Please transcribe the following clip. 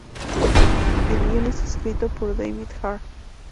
El guion está escrito por David Hare.